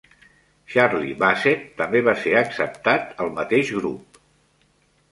Charlie Bassett també va ser acceptat al mateix grup.